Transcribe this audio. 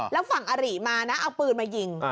แล้วฝั่งอริมานะเอาปืนมายิง